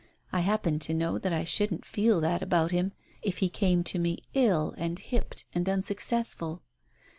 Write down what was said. I happen to know that I shouldn't feel that about him if he came to me ill and hipped and unsuccessful.